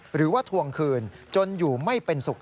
หรือว่าถวงคืนจนอยู่ไม่เป็นศุกร์